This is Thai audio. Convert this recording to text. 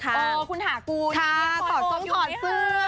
คุณฐากูลค่ะถอดสองถอดเสื้อ